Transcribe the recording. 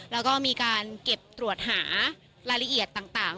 แล้วก็มีการเก็บตรวจหารายละเอียดต่าง